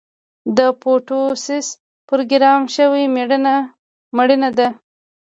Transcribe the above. د اپوپټوسس پروګرام شوې مړینه ده.